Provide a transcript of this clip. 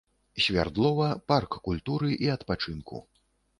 Свярдлова, парк культуры і адпачынку.